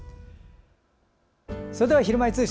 それでは「ひるまえ通信」